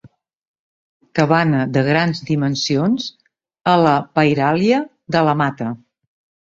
Cabana de grans dimensions a la pairalia de La Mata.